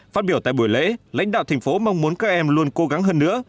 phát biểu tại buổi lễ lãnh đạo thành phố mong muốn các em luôn cố gắng hơn nữa